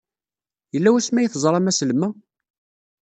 Yella wasmi ay teẓram aslem-a?